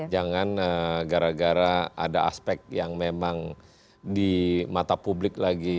jangan gara gara ada aspek yang memang di mata publik lagi